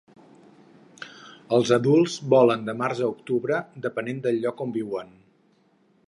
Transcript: Els adults volen de març a octubre, depenent del lloc on viuen.